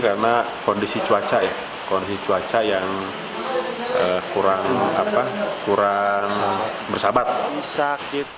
karena kondisi cuaca yang kurang bersahabat